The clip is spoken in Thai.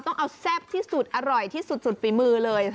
ต้องเอาแซ่บที่สุดอร่อยที่สุดฝีมือเลย